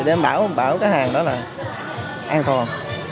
để đảm bảo cái hàng đó là an toàn